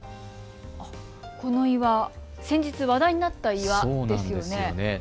この岩、先日、話題になった岩ですね。